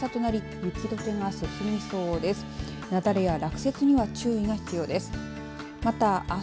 雪崩や落雪には注意が必要です。